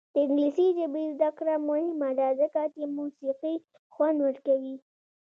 د انګلیسي ژبې زده کړه مهمه ده ځکه چې موسیقي خوند ورکوي.